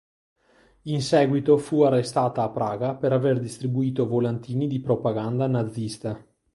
In seguito fu arrestata a Praga per aver distribuito volantini di propaganda nazista.